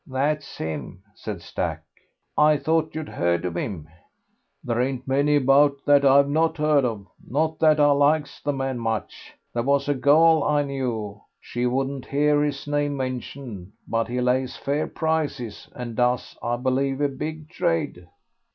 "That's him," said Stack. "I thought you'd heard of him." "There ain't many about that I've not heard of. Not that I likes the man much. There was a girl I knew she wouldn't hear his name mentioned. But he lays fair prices, and does, I believe, a big trade."